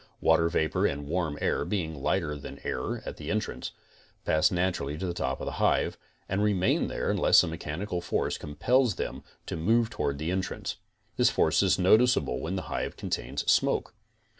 Water vapor and warm air being lighter than air at the entrance, pass naturally to the top of the hive, and remain there unless some mechanical force compels them to move toward the entrance. This force is noticable when the hive contains smoke.